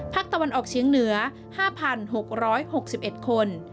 ภาคตะวันออกเชียงเหนือ๕๖๖๑คน